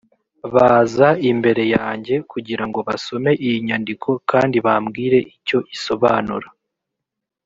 baza imbere yanjye kugira ngo basome iyi nyandiko kandi bambwire icyo isobanura